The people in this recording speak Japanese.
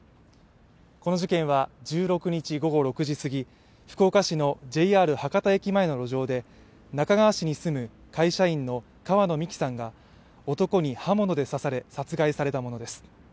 この事件は１６日午後６時すぎ、福岡市のＪＲ博多駅前の路上で那珂川市に住む会社員の川野美樹さんが男に刃物で刺され、殺害されたものです。